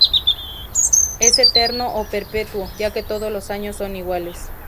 Es eterno, o perpetuo, ya que todos los años son iguales.